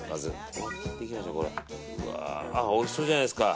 おいしそうじゃないですか。